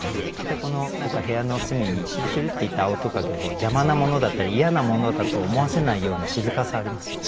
何か部屋の隅にしゅるしゅるっていた青蜥蜴を邪魔なものだったり嫌なものだと思わせないような静かさありますよね。